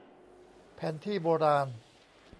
แผนที่โบราณ